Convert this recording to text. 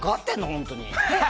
本当に。